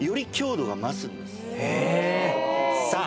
さあ！